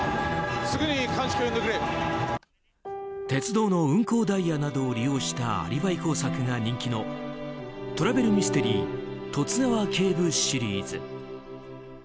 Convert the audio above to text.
鉄道の運行ダイヤなどを利用したアリバイ工作が人気のトラベルミステリー「十津川警部」シリーズ。